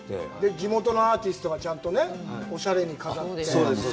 地元のアーティストがちゃんとね、おしゃれに飾って。